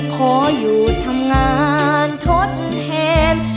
ขออยู่ทำงานทดแทน